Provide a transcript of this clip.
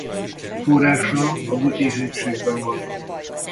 Forrása a Gutin-hegységben van.